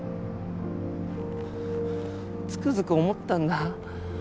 つくづく思ったんだ。